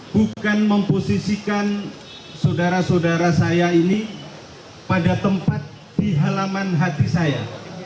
bukan memposisikan saudara saudara saya ini pada tempat di halaman hati saya